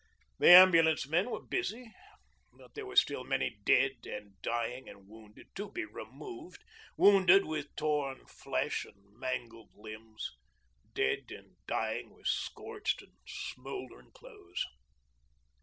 The Ambulance men were busy, but there were still many dead and dying and wounded to be removed, wounded with torn flesh and mangled limbs, dead and dying with scorched and smouldering clothes.